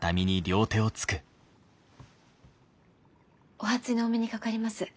お初にお目にかかります。